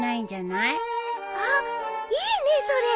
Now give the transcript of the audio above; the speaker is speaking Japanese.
あっいいねそれ。